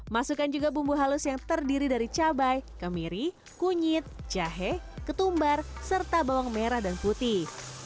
masukkan juga bumbu halus yang terdiri dari cabai kemiri kunyit jahe ketumbar serta bawang merah dan putih